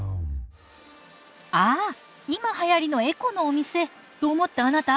ああ今はやりのエコのお店と思ったあなた。